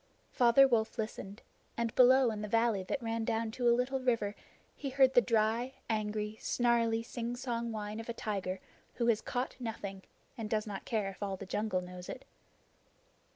Father Wolf listened, and below in the valley that ran down to a little river he heard the dry, angry, snarly, singsong whine of a tiger who has caught nothing and does not care if all the jungle knows it.